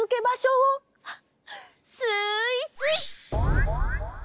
スイスイ！